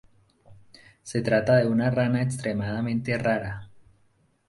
Se trata de una rana extremadamente rara.